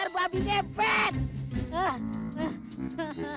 eh lalu pada